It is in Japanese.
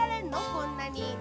こんなに。